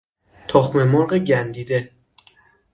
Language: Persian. تخممرغ گندیده